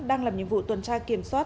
đang làm nhiệm vụ tuần tra kiểm soát